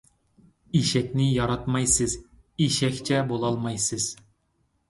ئېشەكنى ياراتمايسىز، ئېشەكچە بولالمايسىز.